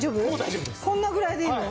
こんなぐらいでいいの？